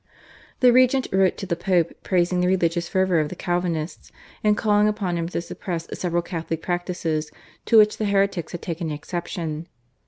The regent wrote to the Pope praising the religious fervour of the Calvinists, and calling upon him to suppress several Catholic practices to which the heretics had taken exception.